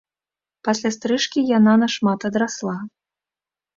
Пасля стрыжкі яна на шмат адрасла.